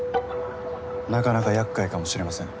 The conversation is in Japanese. なかなかやっかいかもしれません。